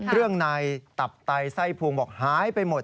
เรื่องนายตับไตไส้ภูมิบอกหายไปหมด